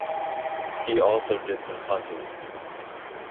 He also did some punting.